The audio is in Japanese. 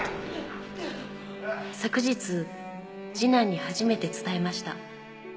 「昨日次男にはじめて伝えました」